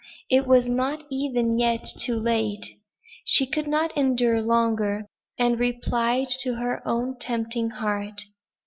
It was not even yet too late!" She could not endure longer; and replied to her own tempting heart.